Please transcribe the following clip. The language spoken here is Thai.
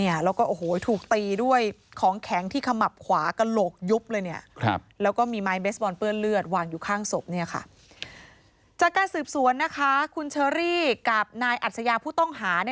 จากการสืบสวนนะคะคุณเชอรี่กับนายอัศยาผู้ต้องหา